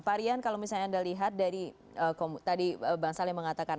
pak rian kalau misalnya anda lihat dari tadi bang saleh mengatakan